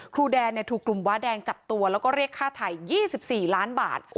ครูแดนถูกกลุ่มว้าแดงจับตัวแล้วก็เรียกค่าไทย๒๔ล้านบาท